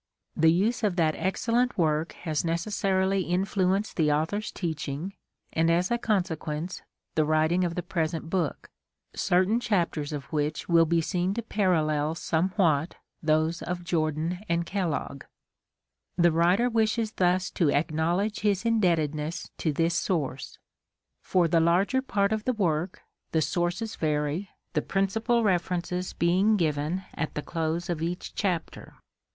The use of that excellent work has neces sarily influenced the author's teaching, and as a consequence the writing of the present book, certain chapters of which will be seen to parallel somewhat those of Jordan and Kellogg. The writer wishes thus to acknowledge his indebtedness to this source. For the larger part of the work, the sources vary, the principal references being given at the close of each chapter.